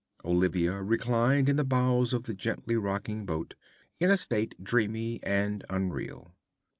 Olivia reclined in the bows of the gently rocking boat, in a state dreamy and unreal.